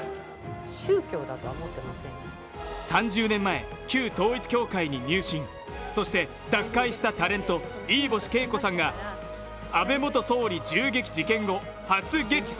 ３０年前、旧統一教会に入信、そして脱会したタレント、飯星景子さんが安倍元総理銃撃事件後初激白。